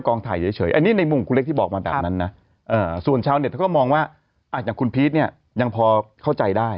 คนชาวเด็ดก็มองว่าอาจจะคุณพีทเนี่ยยังพอเข้าใจได้